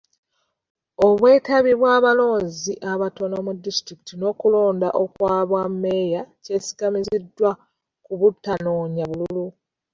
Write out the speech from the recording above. Obwetabi bw'abalonzi abatono mu disitulikiti n'okulonda okw'obwa mmeeya kyesigamiziddwa ku butanoonya bululu.